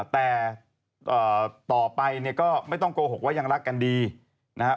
แต่ต่อไปเนี่ยก็ไม่ต้องโกหกว่ายังรักกันดีนะครับ